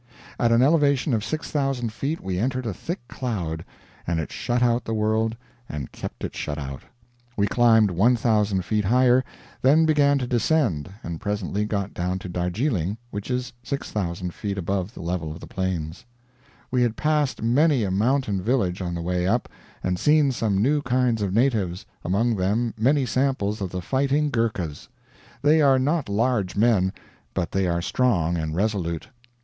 At an elevation of 6,000 feet we entered a thick cloud, and it shut out the world and kept it shut out. We climbed 1,000 feet higher, then began to descend, and presently got down to Darjeeling, which is 6,000 feet above the level of the Plains. We had passed many a mountain village on the way up, and seen some new kinds of natives, among them many samples of the fighting Ghurkas. They are not large men, but they are strong and resolute.